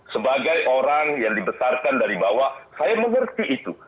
sebagai orang yang dibesarkan dari bawah saya mengerti itu